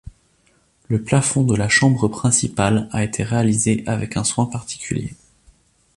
Le plafond de la chambre principale a été réalisé avec un soin particulier.